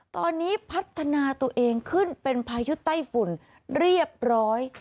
ตอนนี้พัฒนาตัวเองขึ้นเป็นพายุไต้ฝุ่นเรียบร้อย